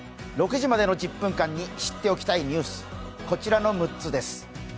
６時までの１０分間に知っておきたいニュース、こちらの６つです。